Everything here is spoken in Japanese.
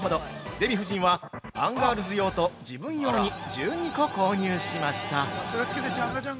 デヴィ夫人はアンガールズ用と自分用に１２個購入しました。